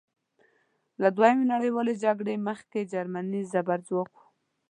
له دویمې نړیوالې جګړې مخکې جرمني زبرځواک وه.